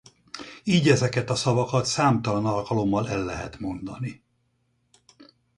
Így ezeket a szavakat számtalan alkalommal el lehet mondani.